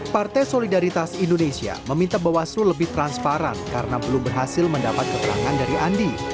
partai solidaritas indonesia meminta bawaslu lebih transparan karena belum berhasil mendapat keterangan dari andi